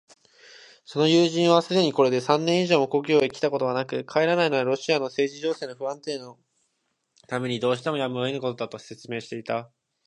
その友人はすでにこれで三年以上も故郷へきたことはなく、帰らないのはロシアの政治情勢の不安定のためにどうしてもやむをえぬことだ、と説明していた。